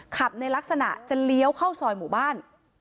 ในลักษณะจะเลี้ยวเข้าซอยหมู่บ้าน